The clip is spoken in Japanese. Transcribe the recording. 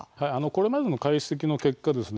これまでの解析の結果